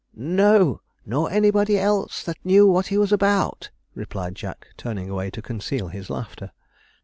'No, nor nobody else that knew what he was about,' replied Jack, turning away to conceal his laughter.